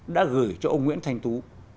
đã gửi cho ông nguyễn thành tú